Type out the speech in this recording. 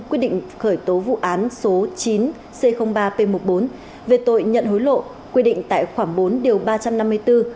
quyết định khởi tố vụ án số chín c ba p một mươi bốn về tội nhận hối lộ quy định tại khoảng bốn điều ba trăm năm mươi bốn